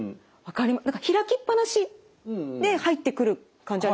何か開きっ放しで入ってくる感じありますよね。